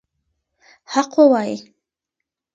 حق ووایئ.